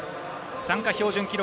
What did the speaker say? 参加標準記録